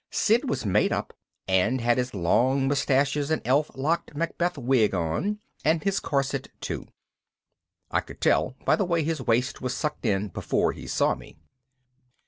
_" Sid was made up and had his long mustaches and elf locked Macbeth wig on and his corset too. I could tell by the way his waist was sucked in before he saw me.